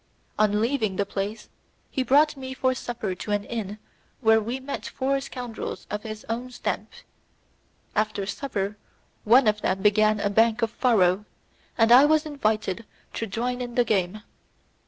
On leaving the place, he brought me for supper to an inn where we met four scoundrels of his own stamp. After supper one of them began a bank of faro, and I was invited to join in the game.